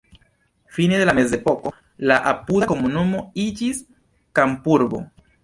Fine de la mezepoko la apuda komunumo iĝis kampurbo.